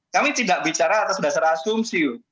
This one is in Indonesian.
kami tidak bicara atas dasar asumsi